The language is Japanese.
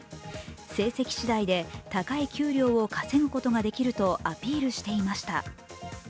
成績次第で高い給料を稼ぐことができるとアピールしていました。